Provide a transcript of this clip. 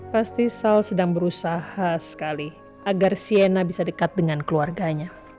pasti sal sedang berusaha sekali agar siena bisa dekat dengan keluarganya